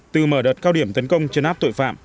từ mở đợt cao điểm tấn công chấn áp tội phạm